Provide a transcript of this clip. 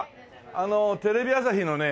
あのテレビ朝日のね